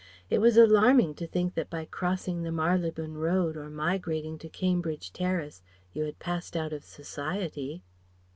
It was alarming to think that by crossing the Marylebone Road or migrating to Cambridge Terrace you had passed out of Society.